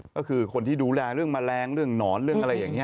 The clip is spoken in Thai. ก็คือคนที่ดูแลเรื่องแมลงเรื่องหนอนเรื่องอะไรอย่างนี้